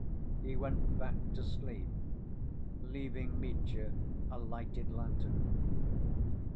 He went back to sleep, leaving Mitya a lighted lantern.